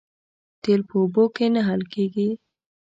تیل په اوبو کې نه حل کېږي